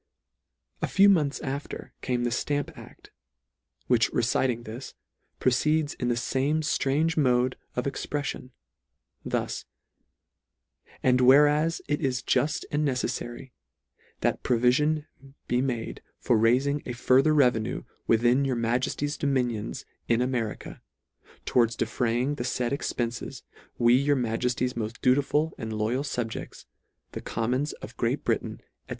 A few months after came the Stamp act, which reciting this, proceeds in the fame ftrange mode of expreffion, thus —" And whereas it is juft and neceffary, that pro vifion be made for raising a further reve nue WITHIN YOUR MAJESTY'S DOMINIONS IN AME RICA, towards defraying the faid expences, we your Majefry's most dutiful and loyal fub je£ts,the Commons of Great Britain, &c.